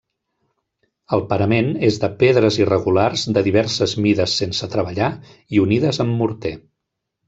El parament és de pedres irregulars, de diverses mides sense treballar i unides amb morter.